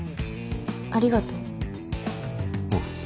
ありがとう。